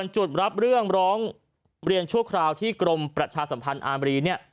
จุดรับเรื่องร้องเรียนชั่วคราวที่กรมประชาสมภารินิอาตรี